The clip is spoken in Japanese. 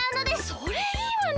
それいいわね！